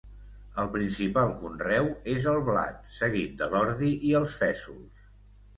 El principal conreu és el blat, seguit de l'ordi i els fesols.